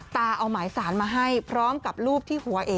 เอาหมายสารมาให้พร้อมกับรูปที่หัวเอ๋